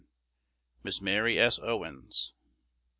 Miss Mary S. Owens.